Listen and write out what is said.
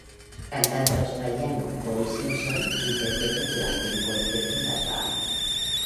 Cantante australiano Cody Simpson interpretó durante un concierto en las Bahamas.